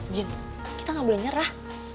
jin kita gak boleh nyerah